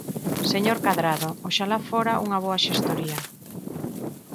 Señor Cadrado, oxalá fora unha boa xestoría.